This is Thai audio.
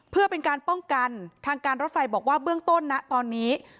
เพื่อเป็นการป้องกันทางการรถไฟบอกว่าเบื้องต้นนะตอนนี้